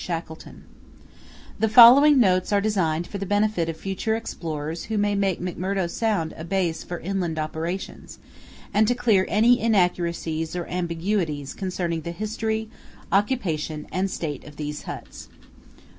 SHACKLETON The following notes are designed for the benefit of future explorers who may make McMurdo Sound a base for inland operations, and to clear any inaccuracies or ambiguities concerning the history, occupation, and state of these huts.